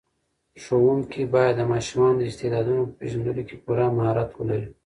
ښوونکي باید د ماشومانو د استعدادونو په پېژندلو کې پوره مهارت ولري.